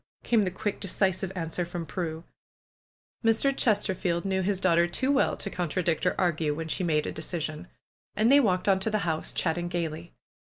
came the quick, decisive answer from Prue. Mr. Chesterfield knew his daughter too well to con tradict or argue when she made a decision. And they walked on to the house, chatting gaily.